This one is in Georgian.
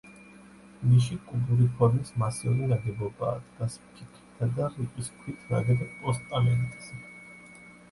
ნიში კუბური ფორმის მასიური ნაგებობაა, დგას ფიქლითა და რიყის ქვით ნაგებ პოსტამენტზე.